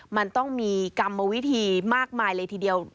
มันต้องมีกรรมวิธีมากมายเลยทีเดียว